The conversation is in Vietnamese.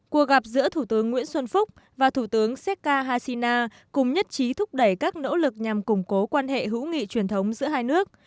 cuộc gặp giữa thủ tướng nguyễn xuân phúc và thủ tướng seka hasina cùng nhất trí thúc đẩy các nỗ lực nhằm củng cố quan hệ hữu nghị truyền thống giữa hai nước